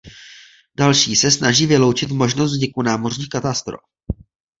Další se snaží vyloučit možnost vzniku námořních katastrof.